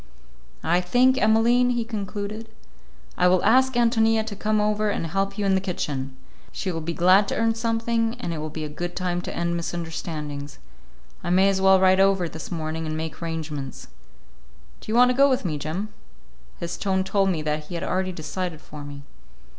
"I think, Emmaline," he concluded, "I will ask Ántonia to come over and help you in the kitchen. She will be glad to earn something, and it will be a good time to end misunderstandings. I may as well ride over this morning and make arrangements. Do you want to go with me, Jim?" His tone told me that he had already decided for me.